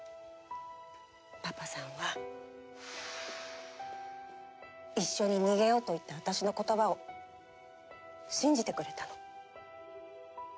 パパさんは「一緒に逃げよう」と言った私の言葉を信じてくれたの。